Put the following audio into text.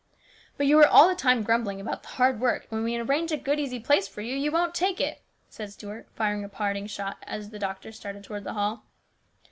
" But you are all the time grumbling about the hard work, and when we arrange a good, easy place for you, you won't take it," said Stuart, firing a parting shot as the doctor started towards the hall.